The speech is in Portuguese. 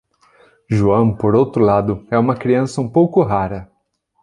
Joan, por outro lado, é uma criança um pouco "rara".